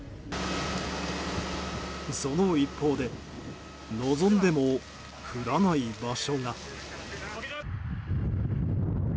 その一方で望んでも降らない場所が。